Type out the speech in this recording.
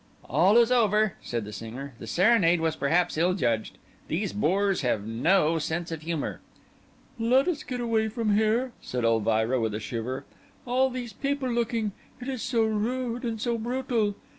"All is over," said the singer. "The serenade was perhaps ill judged. These boors have no sense of humour." "Let us get away from here," said Elvira, with a shiver. "All these people looking—it is so rude and so brutal."